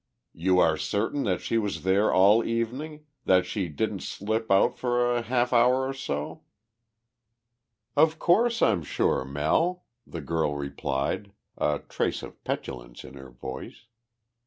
"You are certain that she was there all evening that she didn't slip out for half an hour or so?" "Of course I'm sure, Mell," the girl replied, a trace of petulance in her voice.